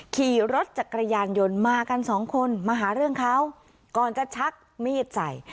ขี่รถจักรยานยนต์มากันสองคนมาหาเรื่องเขาก่อนจะชักมีดใส่